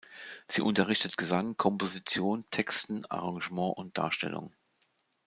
Sie unterrichtet Gesang, Komposition, Texten, Arrangement und Darstellung.